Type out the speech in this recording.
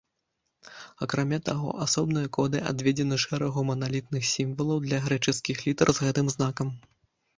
Акрамя таго, асобныя коды адведзены шэрагу маналітных сімвалаў для грэчаскіх літар з гэтым знакам.